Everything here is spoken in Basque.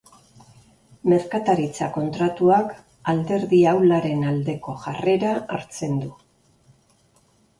Merkataritza kontratuak alderdi ahularen aldeko jarrera hartzen du.